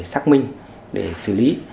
xác minh để xử lý